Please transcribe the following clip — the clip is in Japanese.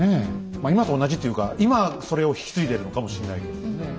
まあ今と同じっていうか今それを引き継いでるのかもしれないけどもね。